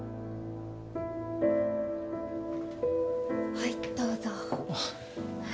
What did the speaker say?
はいどうぞ。